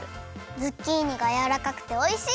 ズッキーニがやわらかくておいしい！